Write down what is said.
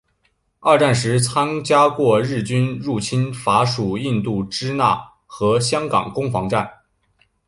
二战时参加过日军入侵法属印度支那和香港攻防战。